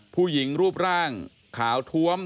ผู้หญิงรูปร่างขาวท้วม